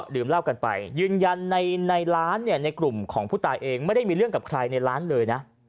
ดื่มเหล้ากันไปยืนยันในร้านเนี่ยในกลุ่มของผู้ตายเองไม่ได้มีเรื่องกับใครในร้านเลยนะ